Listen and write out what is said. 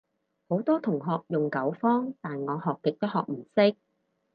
好多同學用九方，但我學極都學唔識